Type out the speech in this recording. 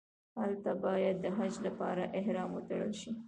هلته باید د حج لپاره احرام وتړل شي.